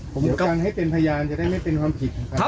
ผมจะการให้เป็นพยานจะได้ไม่เป็นความผิดของคำน้ำ